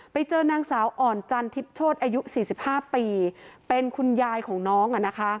ไปเจอนางสาวอ่อนจันทิพโชธอายุ๔๕ปีเป็นคุณยายของน้อง